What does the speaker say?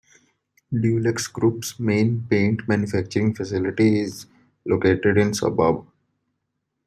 DuluxGroup's main paint manufacturing facility is located in the suburb.